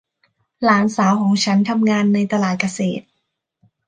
หลานสาวของฉันทำงานในตลาดเกษตร